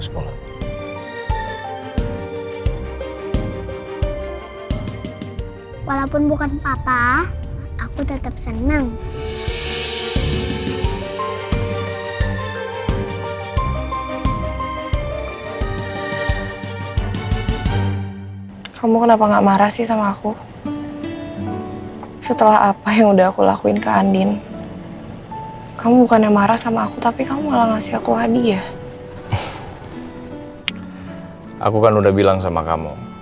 sampai jumpa di video selanjutnya